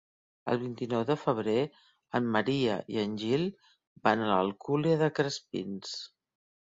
El vint-i-nou de febrer en Maria i en Gil van a l'Alcúdia de Crespins.